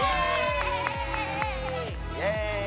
イエーイ！